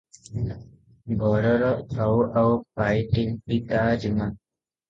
ଘରର ଆଉ ଆଉ ପାଇଟି ବି ତା ଜିମା ।